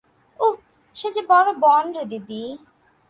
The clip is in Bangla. উঃ, সে যে বড় বন রে দিদি!